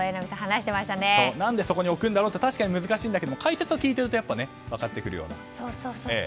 何でそこに置くんだろうと難しいんですが解説を聞いていると分かってくるようです。